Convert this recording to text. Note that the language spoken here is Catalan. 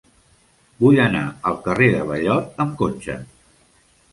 Vull anar al carrer de Ballot amb cotxe.